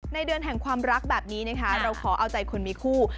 เดือนแห่งความรักแบบนี้นะคะเราขอเอาใจคนมีคู่